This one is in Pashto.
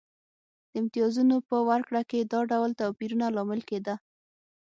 د امتیازونو په ورکړه کې دا ډول توپیرونه لامل کېده.